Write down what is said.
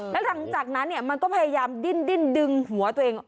แล้วหลังจากนั้นมันก็พยายามดิ้นดึงหัวตัวเอง